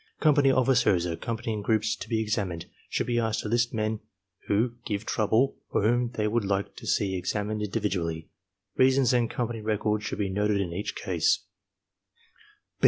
Company officers accom panying groups to be examined, should be asked to list men who give trouble, or whom they would like to see examined in dividually; reasons and company record should be noted in each case.